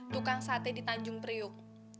tukang sate di tanjung priuk